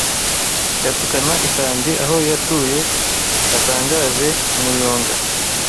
Yatukana i Tandi aho yatuye hatangaje umuyonga